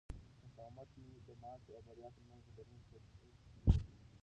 مقاومت مې د ماتې او بریا ترمنځ د ژغورنې کښتۍ وه.